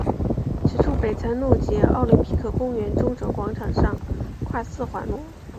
此处北辰路及奥林匹克公园中轴广场上跨四环路。